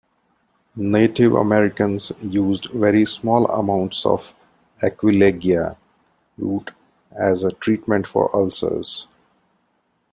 Native Americans used very small amounts of "Aquilegia" root as a treatment for ulcers.